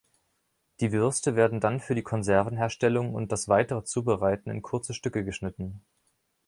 Die Würste werden dann für die Konservenherstellung und das weitere Zubereiten in kurze Stücke geschnitten.